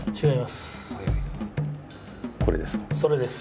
それです。